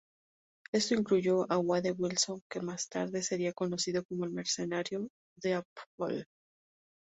Esto incluyó a Wade Wilson, que más tarde sería conocido como el mercenario Deadpool.